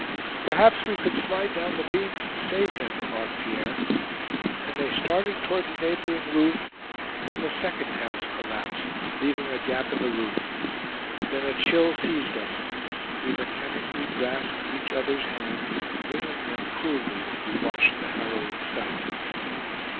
"Perhaps we could slide down the beams and save him," remarked Pierre. And they started toward the neighboring roof, when the second house collapsed, leaving a gap in the route. Then a chill seized us. We mechanically grasped each other's hands, wringing them cruelly as we watched the harrowing sight.